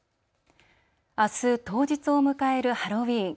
あす当日を迎えるハロウィーン。